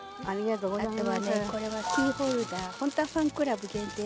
ありがとうございます。